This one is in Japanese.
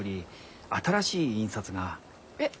えっ？